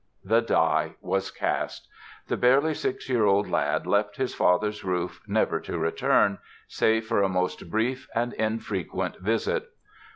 The die was cast! The barely six year old lad left his father's roof, never to return, save for a most brief and infrequent visit.